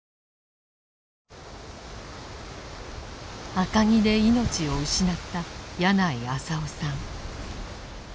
赤城で命を失った矢内浅雄さん。